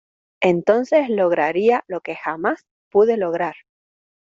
entonces lograría lo que jamás pude lograr.